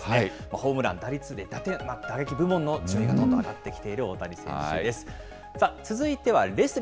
ホームラン、打率、打点、打撃部門の順位がどんどん上がってきている大谷選手です。